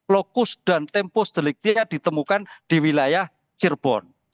lokus dan tempos deliktia ditemukan di wilayah cirebon